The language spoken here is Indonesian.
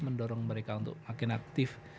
mendorong mereka untuk makin aktif